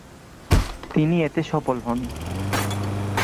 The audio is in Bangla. তিনি এতে সফল হন।